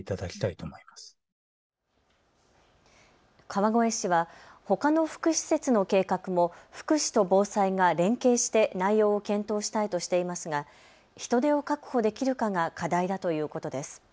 川越市はほかの福祉施設の計画も福祉と防災が連携して内容を検討したいとしていますが人手を確保できるかが課題だということです。